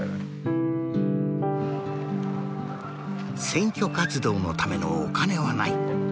選挙活動のためのお金はない。